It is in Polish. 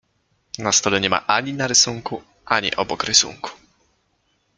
Na stole nie ma ani na rysunku, ani obok rysunku.